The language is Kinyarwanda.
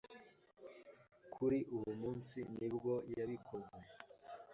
kuri uwo munsi nibwo yabikoze